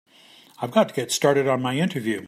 I've got to get started on my interview.